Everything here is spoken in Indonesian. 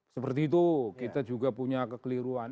seperti itu kita juga punya kekeliruan